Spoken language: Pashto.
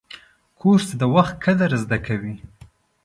کورس د وخت قدر زده کوي.